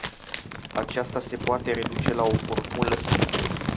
Aceasta se poate reduce la o formulă simplă.